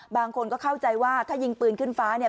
บางคนก็เข้าใจว่าถ้ายิงปืนขึ้นฟ้าเนี่ย